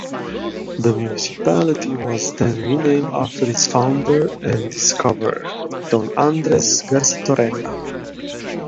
The municipality was then renamed after its founder and discoverer, Don Andres Garchitorena.